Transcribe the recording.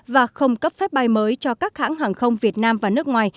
và không cấp phép bay mới cho các hãng hàng không việt nam và nước ngoài